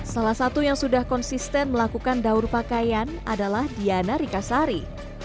salah satu yang sudah konsisten melakukan daur pakaian adalah diana rikasari